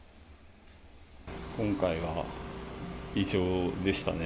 今回は異常でしたね。